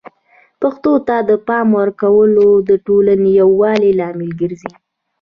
پښتو ته د پام ورکول د ټولنې د یووالي لامل ګرځي.